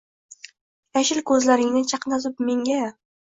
Yashil ko’zlaringni chaqnatib menga